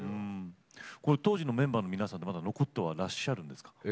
当時のメンバーの皆さんはまだ残ってらっしゃるんですか。